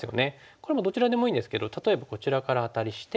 これもどちらでもいいんですけど例えばこちらからアタリして。